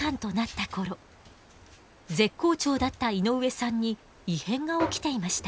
絶好調だった井上さんに異変が起きていました。